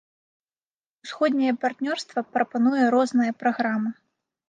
Усходняе партнёрства прапануе розныя праграмы.